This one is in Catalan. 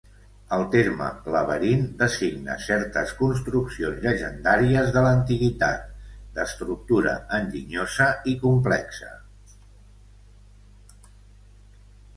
El terme laberint designa certes construccions llegendàries de l'antiguitat, d'estructura enginyosa i complexa.